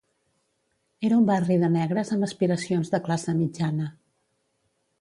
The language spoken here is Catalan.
Era un barri de negres amb aspiracions de classe mitjana.